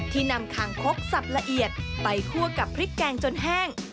นำคางคกสับละเอียดไปคั่วกับพริกแกงจนแห้ง